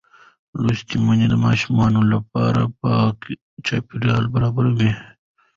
لوستې میندې د ماشوم لپاره پاک چاپېریال برابروي.